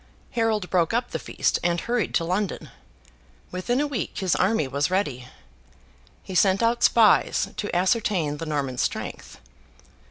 Harold broke up the feast and hurried to London. Within a week, his army was ready. He sent out spies to ascertain the Norman strength.